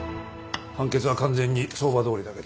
判決は完全に相場どおりだけど？